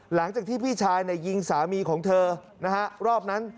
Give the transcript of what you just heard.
หลังจากที่พี่ชายยิงสามีของเธอรอบนั้น